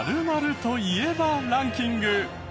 「○○と言えばランキング」！